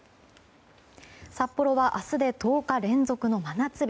札幌は明日で１０日連続の真夏日。